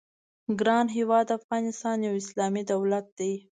ګران هېواد افغانستان یو اسلامي دولت دی.